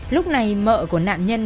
lúc này mợ của nạn nhân